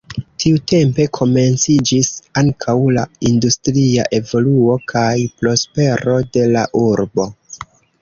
Tiutempe komenciĝis ankaŭ la industria evoluo kaj prospero de la urbo.